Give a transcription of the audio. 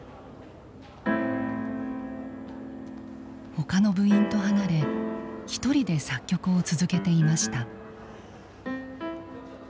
ほかの部員と離れ１人で作曲を続けていました。